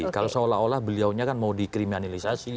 kalau seolah olah beliau kan mau dikriminalisasi